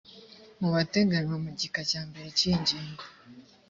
mu bateganywa mu gika cya mbere cy iyi ngingo